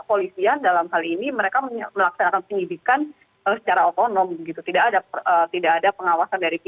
oke terima kasih